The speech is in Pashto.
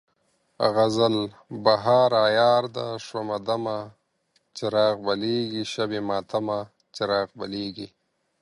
غزل: بهار عیار ده شومه دمه، چراغ بلیږي شبِ ماتمه، چراغ بلیږي